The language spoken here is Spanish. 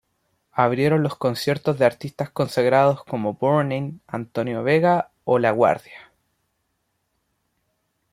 Abrieron los conciertos de artistas consagrados como Burning, Antonio Vega o La Guardia.